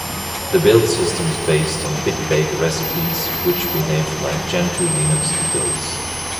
The build system is based on BitBake recipes, which behave like Gentoo Linux ebuilds.